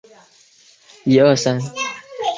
美丽假花瓣蟹为扇蟹科假花瓣蟹属的动物。